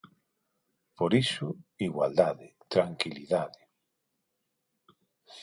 Por iso, igualdade, tranquilidade.